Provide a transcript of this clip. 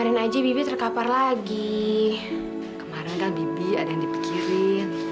dan aku tahu caranya kan